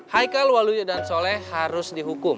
haikal waluyo dan soleh harus dihukum